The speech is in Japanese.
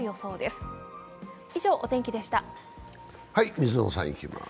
水野さんいきます。